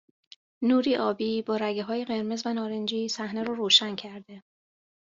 نوری آبی با رگههای قرمز و نارنجی صحنه را روشن کرده